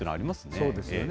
そうですよね。